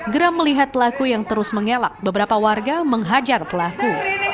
geram melihat pelaku yang terus mengelak beberapa warga menghajar pelaku